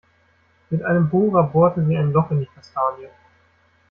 Mit einem Bohrer bohrte sie ein Loch in die Kastanie.